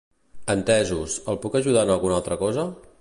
Entesos, el puc ajudar en alguna altra cosa?